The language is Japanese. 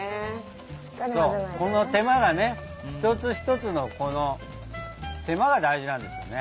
この手間がねひとつひとつのこの手間が大事なんですよね。